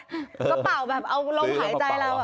กระเป๋าแบบเอาลมหายใจเรา